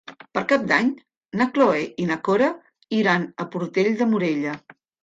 Per Cap d'Any na Cloè i na Cora iran a Portell de Morella.